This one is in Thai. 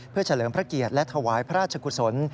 เพื่อเฉลิมพระเกียรติและถวายพระราชกุศล